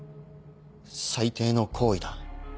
最低の行為だ。